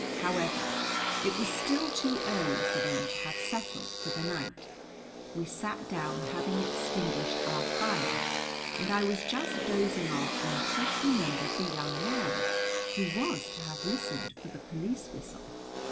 However, it was still too early for them to have settled for the night. We sat down, having extinguished our fire, and I was just dozing off when Tish remembered the young man who was to have listened for the police whistle.